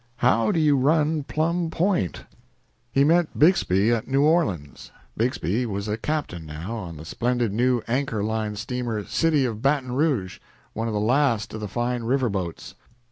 How do you run Plum Point?" He met Bixby at New Orleans. Bixby was a captain now, on the splendid new Anchor Line steamer "City of Baton Rouge," one of the last of the fine river boats.